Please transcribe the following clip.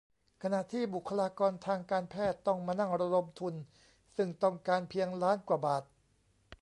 ขณะที่บุคลากรทางการแพทย์ต้องมานั่งระดมทุน ซึ่งต้องการเพียงล้านกว่าบาท :